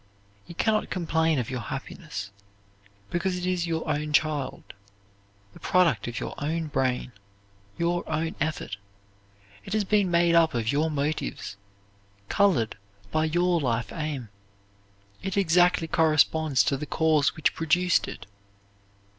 You can not complain of your happiness, because it is your own child, the product of your own brain, your own effort. It has been made up of your motives, colored by your life aim. It exactly corresponds to the cause which produced it.